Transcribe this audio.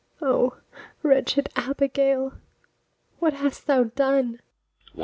O wretched Abigail, what hast thou done?